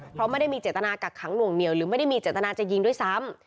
เพราะไม่ได้มีเจตนากักขังหน่วงเหนียวหรือไม่ได้มีเจตนาจะยิงด้วยซ้ำ